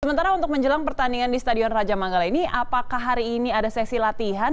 sementara untuk menjelang pertandingan di stadion raja manggala ini apakah hari ini ada sesi latihan